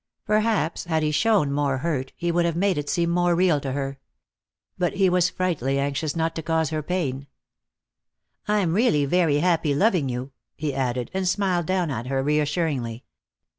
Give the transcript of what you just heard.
Perhaps, had he shown more hurt, he would have made it seem more real to her. But he was frightfully anxious not to cause her pain. "I'm really very happy, loving you," he added, and smiled down at her reassuringly.